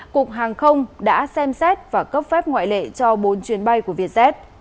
cục hàng không đã xem xét và cấp phép ngoại lệ cho bốn chuyến bay của việt z